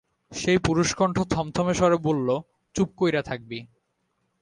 সেই পুরুষকণ্ঠ থমথমে স্বরে বলল, চুপ কইরা থাকবি।